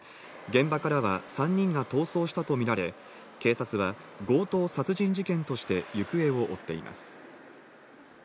現場からは３人が逃走したとみられ、警察は強盗殺人事件として行方を追っています。